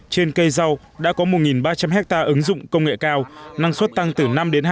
trên cây rau đã có một ba trăm linh hectare ứng dụng công nghệ cao năng suất tăng từ năm đến hai mươi